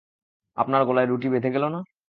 আপনার গলায় রুটি বেধে গেল না?